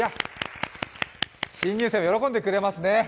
新入生も喜んでくれますね！